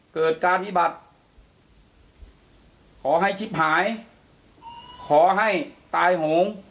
เกิดการวิบัติขอให้ชิบหายขอให้ตายโหง